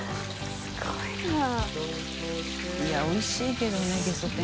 いやおいしいけどねげそ天。